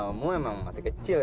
kamu emang masih kecil kan